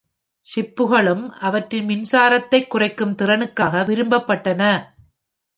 சிப்புகளும் அவற்றின் மின்சாரத்தைக் குறைக்கும் திறனுக்காக விரும்பப்பட்டன.